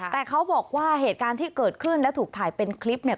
แต่เขาบอกว่าเหตุการณ์ที่เกิดขึ้นและถูกถ่ายเป็นคลิปเนี่ย